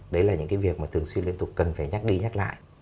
đấy là những cái việc mà thường xuyên liên tục cần phải nhắc đi nhắc lại